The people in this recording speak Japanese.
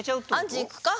アンジーいくか？